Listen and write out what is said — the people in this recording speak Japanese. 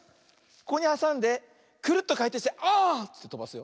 ここにはさんでクルッとかいてんしてあってとばすよ。